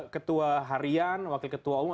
ketua harian wakil ketua umum